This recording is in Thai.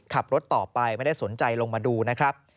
ขับรถต่อไปไม่ได้สนใจลงมาดูนะครับ